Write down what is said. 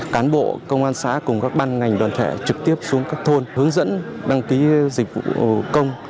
cán bộ công an xã cùng các ban ngành đoàn thể trực tiếp xuống các thôn hướng dẫn đăng ký dịch vụ công